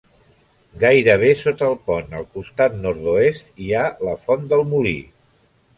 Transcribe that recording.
Gairebé sota el pont, al costat nord-oest, hi ha la Font del Molí.